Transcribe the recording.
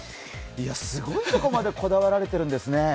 すごいところまでこだわられてるんですね。